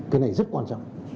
cái này rất quan trọng